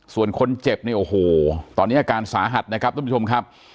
ส่วนคนเจ็บเนี่ยโอ้โหตอนนี้อาการสาหัสนะครับทุกผู้ชมครับ